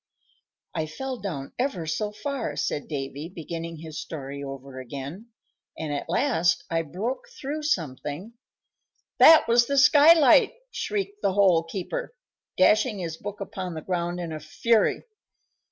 "I fell down ever so far," said Davy, beginning his story over again, "and at last I broke through something" "That was the skylight!" shrieked the Hole keeper, dashing his book upon the ground in a fury.